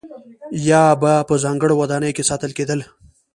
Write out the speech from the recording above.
یا به په ځانګړو ودانیو کې ساتل کېدل.